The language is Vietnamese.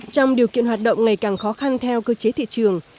trong điều kiện hoạt động ngày càng khó khăn theo cơ chế thị trường